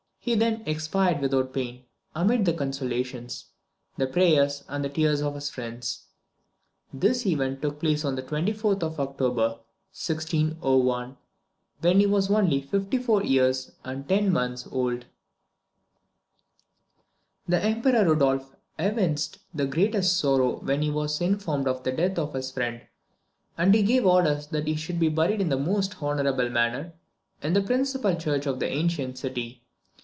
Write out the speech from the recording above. He then expired without pain, amid the consolations, the prayers, and the tears of his friends. This event took place on the 24th of October 1601, when he was only fifty four years and ten months old. The Emperor Rudolph evinced the greatest sorrow when he was informed of the death of his friend, and he gave orders that he should be buried in the most honourable manner, in the principal church of the ancient city.